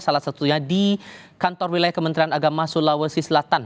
salah satunya di kantor wilayah kementerian agama sulawesi selatan